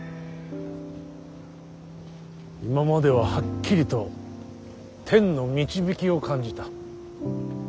今までははっきりと天の導きを感じた。